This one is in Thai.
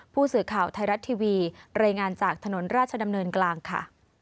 ผู้สื่อข่าวไทยรัฐทีวีรายงานจากถนนราชดำเนินกลางค่ะ